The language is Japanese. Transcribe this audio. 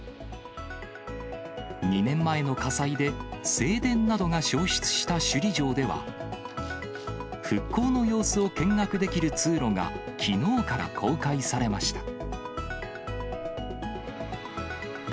２年前の火災で正殿などが焼失した首里城では、復興の様子を見学できる通路がきのうから公開されました。